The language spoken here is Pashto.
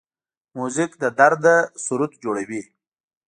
موزیک له درده سرود جوړوي.